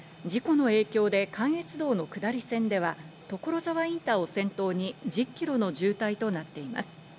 また事故の影響で関越道の下り線では所沢インターを先頭に１０ｋｍの渋滞となっています。